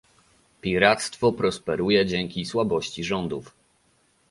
Piractwo prosperuje dzięki słabości rządów